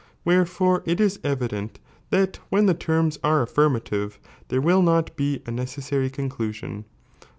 Wherefore, it is evident that .^ wl)en ttie terms ore affirmative, there will not be premisHue a necessary conclusion.